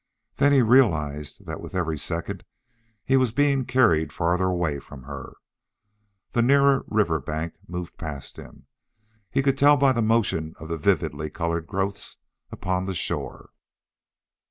Then he realized that with every second he was being carried further away from her. The nearer river bank moved past him. He could tell by the motion of the vividly colored growths upon the shore.